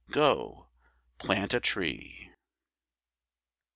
Go plant a tree.